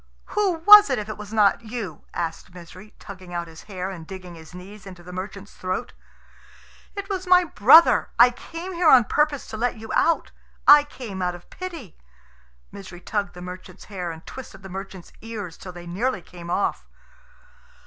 "Who was it, if it was not you?" asked Misery, tugging out his hair, and digging his knees into the merchant's throat. "It was my brother. I came here on purpose to let you out. I came out of pity." Misery tugged the merchant's hair, and twisted the merchant's ears till they nearly came off.